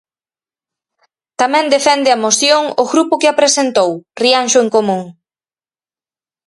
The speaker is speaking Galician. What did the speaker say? Tamén defende a moción o grupo que a presentou, Rianxo en Común.